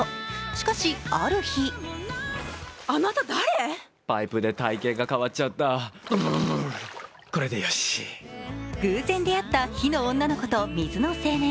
しかし、ある日偶然出会った火の女の子と水の青年。